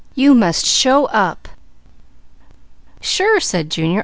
You must show up!" "Sure!" said Junior.